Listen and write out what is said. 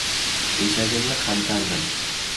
Eshagimni qantardim.